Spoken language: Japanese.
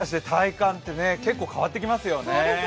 風のありなしで体感って結構変わってきますよね。